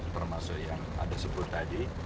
termasuk yang ada sebelum tadi